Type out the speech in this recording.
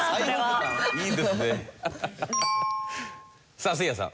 さあせいやさん。